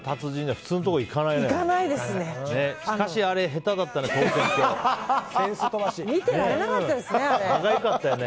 普通のところ行かないね。